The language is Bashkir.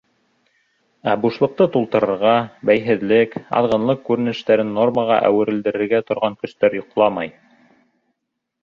Ә бушлыҡты тултырырға, бәйһеҙлек, аҙғынлыҡ күренештәрен нормаға әүерелдерергә торған көстәр йоҡламай.